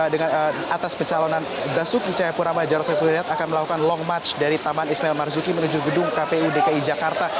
dengan atas pencalonan basuki cahayapurama jaroslawifudinat akan melakukan long match dari taman ismail marzuki menuju gedung kpu dki jakarta